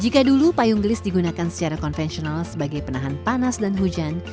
jika dulu payung gelis digunakan secara konvensional sebagai penahan panas dan hujan